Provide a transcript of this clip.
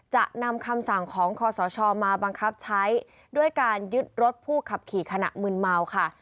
จะนำคำสั่งของคอสชมาบังคับใช้ด้วยการยึดรถผู้ขับขี่ขณะมืนเมาค่ะ